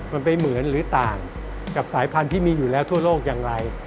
มันไปเหมือนหรือต่างกับสายพันธุ์ที่มีอยู่แล้วทั่วโลกอย่างไร